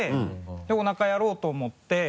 おなかやろうと思って。